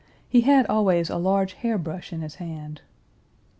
He had always a large hair brush in his hand.